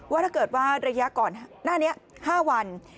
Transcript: ถ้าเกิดว่าระยะก่อนหน้านี้๕วัน